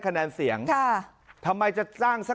ผมฝากถึงนายกอปจที่กำลังลงสมัครกันอยู่